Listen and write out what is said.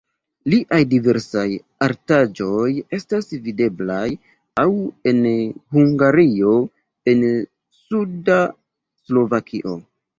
Liaj diversaj artaĵoj estas videblaj aŭ en Hungario, aŭ en suda Slovakio.